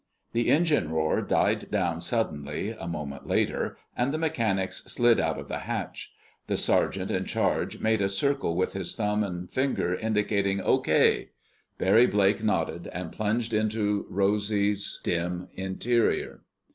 The engine roar died down suddenly, a moment later, and the mechanics slid out of the hatch. The sergeant in charge made a circle with his thumb and finger, indicating "Okay!" Barry Blake nodded, and plunged into Rosy's dim interior.